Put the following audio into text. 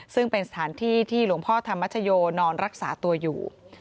ซึ่งเป็นสถานที่ที่หลวงพ่อธรรมชโยนอนรักษาตัวอยู่